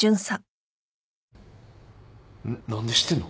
何で知ってんの？